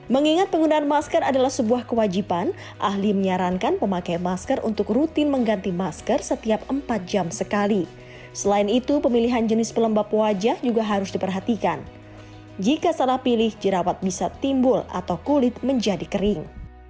mengingat penggunaan masker adalah sebuah kewajiban ahli menyarankan pemakai masker untuk rutin mengganti masker setiap empat jam sekali selain itu pemilihan jenis pelembab wajah juga harus diperhatikan jika salah pilih jerawat bisa timbul atau kulit menjadi kering